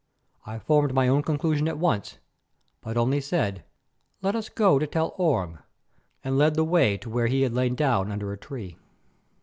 I formed my own conclusion at once, but only said: "Let us go to tell Orme," and led the way to where he had lain down under a tree.